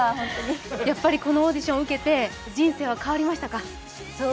このオーディション受けて、人生は変わりましたか？